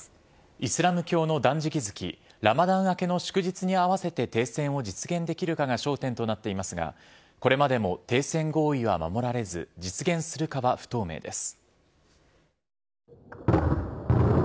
イスラム教の断食月ラマダン明けの祝日に合わせて停戦を実現できるかが焦点となっていますがこれまでも停戦合意は守られず実現するかは不透明です。